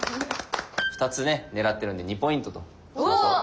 ２つね狙ってるので２ポイントとしましょう。